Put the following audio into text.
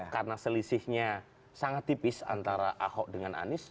karena selisihnya sangat tipis antara ahok dengan anies